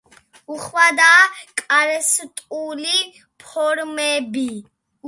უხვადაა კარსტული ფორმები.